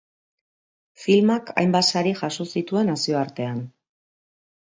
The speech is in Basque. Filmak hainbat sari jaso zituen nazioartean.